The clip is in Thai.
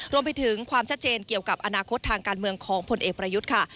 รวมไปถึงความชัดเจนเกี่ยวกับอนาคตทางการเมืองของผลเอกประยุทธ์ค่ะ